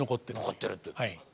残ってるっていう。